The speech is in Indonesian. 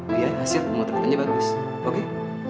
biar hasil pemotretannya bagus oke